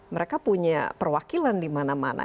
mereka punya perwakilan di mana mana